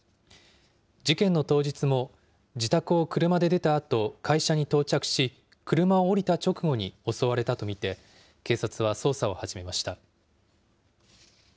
事件の当日も自宅を車で出たあと、会社に到着し、車を降りた直後に襲われたと見て、警察は捜査を始めました。